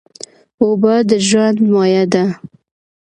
اوبه د ژوند مایه ده.